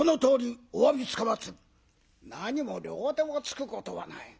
「何も両手をつくことはない。